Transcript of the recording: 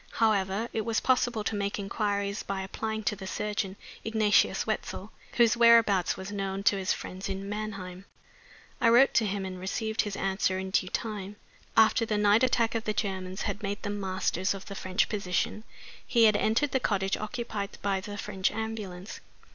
However, it was possible to make inquiries by applying to the surgeon, Ignatius Wetzel, whose whereabouts was known to his friends in Mannheim. I wrote to him, and received his answer in due time. After the night attack of the Germans had made them masters of the French position, he had entered the cottage occupied by the French ambulance.